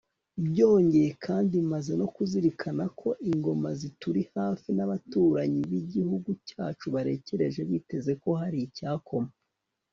byongeye kandi, maze no kuzirikana ko ingoma zituri hafi n'abaturanyi b'igihugu cyacu barekereje biteze ko hari icyakoma